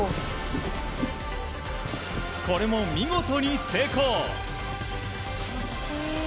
これも、見事に成功。